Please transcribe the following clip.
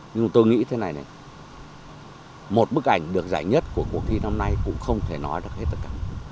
nhưng tôi nghĩ thế này này một bức ảnh được giải nhất của cuộc thi năm nay cũng không thể nói được hết tất cả